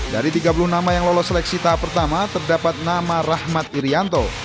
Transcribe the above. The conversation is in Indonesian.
dari tiga puluh nama yang lolos seleksi tahap pertama terdapat nama rahmat irianto